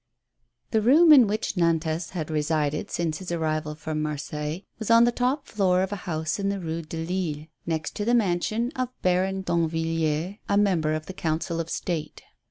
T he room in which Nantas had resided since his arrival from Marseilles was on the top floor of a house in the Eue de Lille, next to the mansion of Baron Danvilliers, a member of the Council of State.